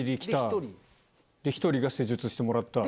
１人が施術してもらった。